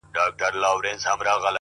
o دوى ما اوتا نه غواړي؛